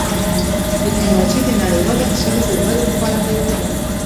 ډيپلوماسي د نړیوال اقتصاد د ودې لپاره حیاتي ده.